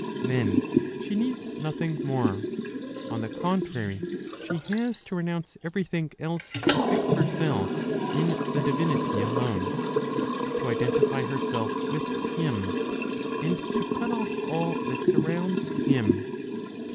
Then she needs nothing more. On the contrary, she has to renounce everything else to fix herself in the Divinity alone, to identify herself with Him, and to cut off all that surrounds Him.